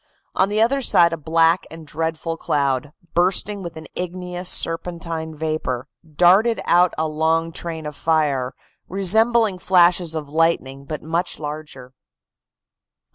On the other side a black and dreadful cloud, bursting with an igneous serpentine vapor, darted out a long train of fire, resembling flashes of lightning, but much larger.